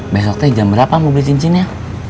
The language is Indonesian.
besoknya jam berapa mau beli cincinnya